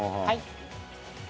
はい。